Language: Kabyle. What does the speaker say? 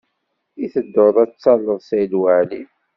I tedduḍ ad talleḍ Saɛid Waɛli?